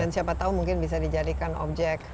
dan siapa tahu mungkin bisa dijadikan objek